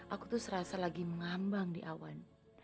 aku tuh serasa lagi mengambang di awan